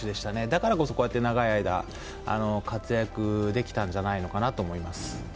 だからこそこうやって長い間、活躍できたんじゃないかなと思います。